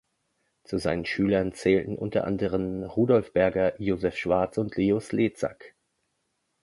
Zu seinen Schülern zählten unter anderen Rudolf Berger, Joseph Schwarz und Leo Slezak.